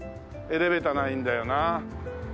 エレベーターないんだよな。